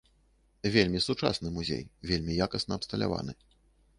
Вельмі сучасны музей, вельмі якасна абсталяваны.